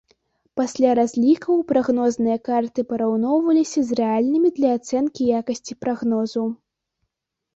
Пасля разлікаў прагнозныя карты параўноўваліся з рэальнымі для ацэнкі якасці прагнозу.